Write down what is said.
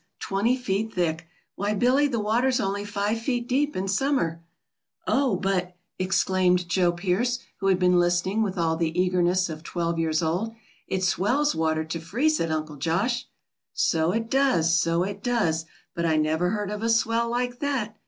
Twenty feet thick! Why, Billy, the water's only five feet deep in summer." "Oh, but," exclaimed Joe Pearce, who had been listening with all the eagerness of twelve years old, "it swells water to freeze it, Uncle Josh." "So it does, so it does. But I never heard of a swell like that."